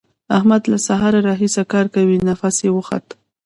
احمد له سهار راهسې کار کوي؛ نفس يې وخوت.